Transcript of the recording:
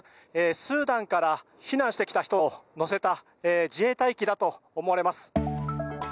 スーダンから避難してきた人を乗せた自衛隊機だと思われます。